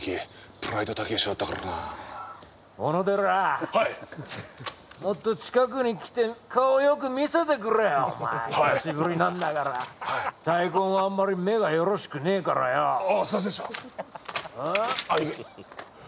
プライド高え人だったからなオノデラはいもっと近くにきて顔よく見せてくれよお前久しぶりなんだからはい大根はあんまり目がよろしくねえからよああすいませんでした兄貴